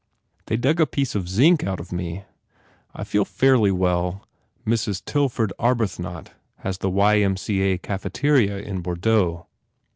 They dug a piece of zinc out of me. I feel fairly well. Mrs. Tilford Arbuthnot has the Y. M. C. A. cafeteria in Bordeaux.